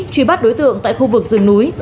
truy bắt đối tượng tại khu vực rừng núi